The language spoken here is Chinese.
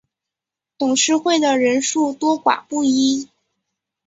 董事会的人数多寡不一。